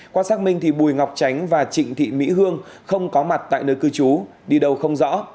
qua xác minh thì bùi ngọc tránh và trịnh thị mỹ hương không có mặt tại nơi cư trú đi đâu không rõ